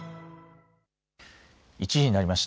１時になりました。